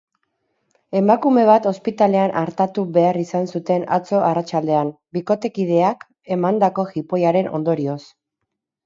Emakume bat ospitalean artatu behar izan zuten atzo arratsaldean bikotekideak emandako jipoiaren ondorioz.